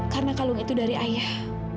karena kalung itu dari ayah